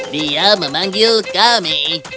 dia memanggil kami